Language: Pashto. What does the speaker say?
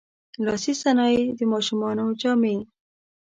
لاسي صنایع، د ماشومانو جامې.